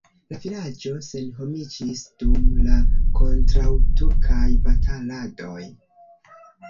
La vilaĝo senhomiĝis dum la kontraŭturkaj bataladoj.